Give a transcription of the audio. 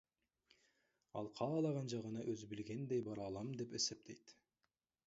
Ал каалаган жагына өзү билгендей бара алам деп эсептейт.